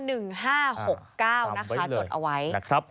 ๑๕๖๙นะคะจดเอาไว้